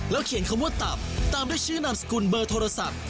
เขียนคำว่าตับตามด้วยชื่อนามสกุลเบอร์โทรศัพท์